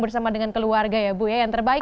bersama dengan keluarga ya bu ya yang terbaik